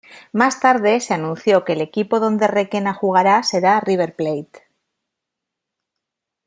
Más tarde, se anunció que el equipo donde Requena jugará será River Plate